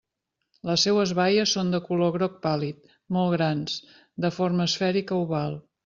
Les seues baies són de color groc pàl·lid, molt grans, de forma esfèrica oval.